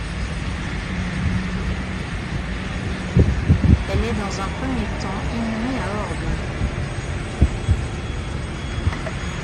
Elle est dans un premier temps inhumée à Orbe.